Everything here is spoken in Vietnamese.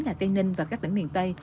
là tây ninh và các tỉnh miền tây